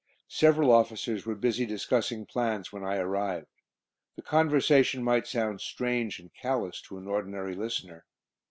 Several officers were busy discussing plans when I arrived. The conversation might sound strange and callous to an ordinary listener.